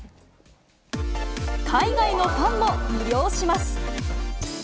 海外のファンも魅了します。